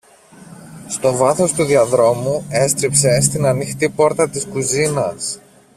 Στο βάθος του διαδρόμου έστριψε στην ανοιχτή πόρτα της κουζίνας